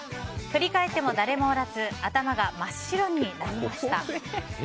振り返っても誰もおらず頭が真っ白になりました。